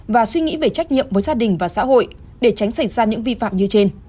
và suy nghĩ về trách nhiệm với gia đình và xã hội để tránh xảy ra những vi phạm như trên